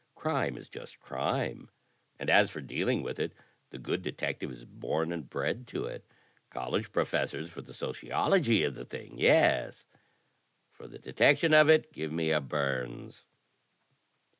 Crime is just crime. And as for deal ing with it, the good detective is bom and bred to it. College pro fessors for the sociology of the thing, yes; for the detection of it give me a Byrnes."